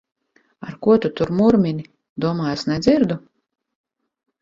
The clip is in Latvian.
Ar ko tu tur murmini? Domā, es nedzirdu!